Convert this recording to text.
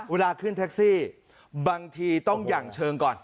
เวลาขึ้นแท็กซี่บางทีต้องหยั่งเชิงก่อน